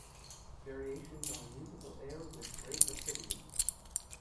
Variations on a musical air With great rapidity